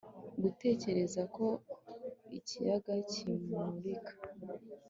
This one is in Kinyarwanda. Gutegereza ko ikiyaga kimurika